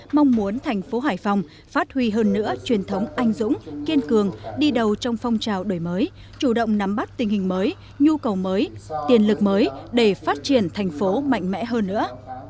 mong muốn thành phố hải phòng phát huy hơn nữa truyền thống anh dũng kiên cường đi đầu trong phong trào đổi mới chủ động nắm bắt tình hình mới nhu cầu mới tiền lực mới để phát triển thành phố mạnh mẽ hơn nữa